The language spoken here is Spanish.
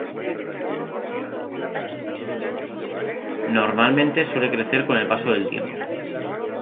Normalmente suele crecer con el paso del tiempo.